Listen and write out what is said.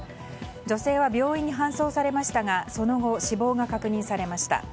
女性は病院に搬送されましたがその後、死亡が確認されました。